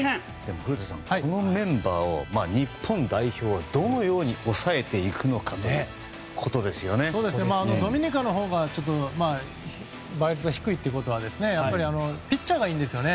古田さん、このメンバーを日本代表がドミニカのほうが倍率は低いということはピッチャーがいいんですね。